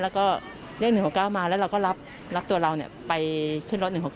แล้วก็เรียก๑๖๙มาแล้วเราก็รับตัวเราไปขึ้นรถ๑๖๖